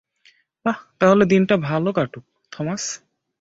বাহ, তাহলে দিনটা ভালো কাটুক, থমাস।